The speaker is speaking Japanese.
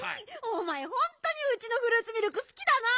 おまえホントにうちのフルーツミルクすきだな。